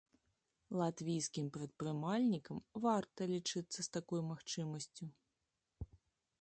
Латвійскім прадпрымальнікам варта лічыцца з такой магчымасцю.